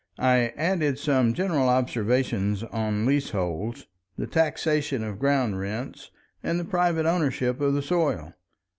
I added some general observations on leaseholds, the taxation of ground rents, and the private ownership of the soil.